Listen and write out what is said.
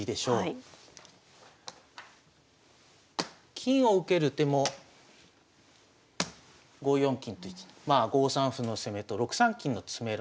金を受ける手も５四金と打ちまあ５三歩の攻めと６三金の詰めろ